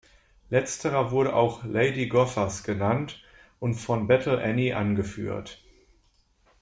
Letzterer wurde auch "Lady Gophers" genannt und von Battle Annie angeführt.